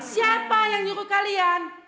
siapa yang nyuruh kalian